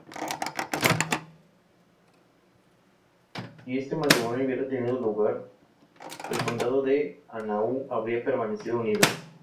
Semillas de color marrón oscuro.